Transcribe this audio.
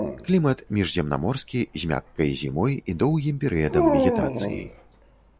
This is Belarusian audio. Клімат міжземнаморскі з мяккай зімой і доўгім перыядам вегетацыі.